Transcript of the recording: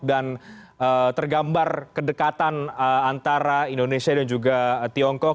dan tergambar kedekatan antara indonesia dan juga tiongkok